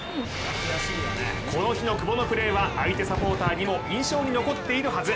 この日の久保のプレーは相手サポーターにも印象に残っているはず。